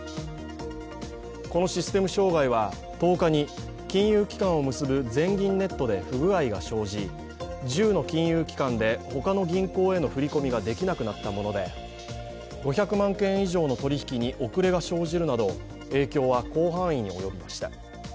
このシステム障害は、１０日に金融機関を結ぶ全銀ネットで不具合が生じ１０の金融機関で他の銀行への振り込みができなくなったもので、５００万件以上の取り引きに遅れが生じるなど影響は広範囲に及びました。